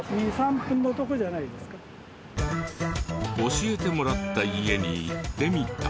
教えてもらった家に行ってみた。